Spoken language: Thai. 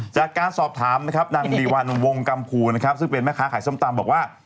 จากการสอบถามนางดิวัลวงกรรมครูซึ่งเป็นแม่ค้าขายส้ำตำบอกว่า